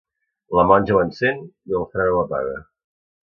La monja ho encén, i el frare ho apaga.